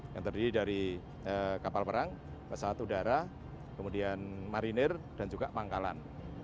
yang terdiri dari kapal perang pesawat udara kemudian marinir dan juga pangkalan